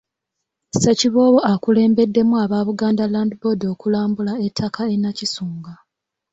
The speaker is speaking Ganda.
Ssekiboobo akulembeddemu aba Buganda Land Board okulambula ettaka e Nakisunga.